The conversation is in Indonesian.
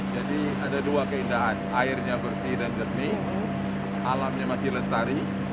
jadi ada dua keindahan airnya bersih dan jernih alamnya masih lestari